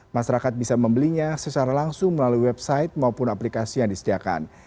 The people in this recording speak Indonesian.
masyarakat bisa membelinya secara langsung melalui website maupun aplikasi yang disediakan